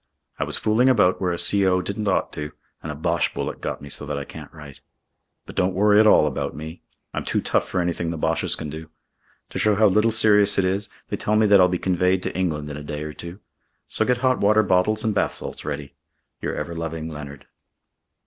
I was fooling about where a C.O. didn't ought to, and a Bosch bullet got me so that I can't write. But don't worry at all about me. I'm too tough for anything the Bosches can do. To show how little serious it is, they tell me that I'll be conveyed to England in a day or two. So get hot water bottles and bath salts ready. "Your ever loving Leonard."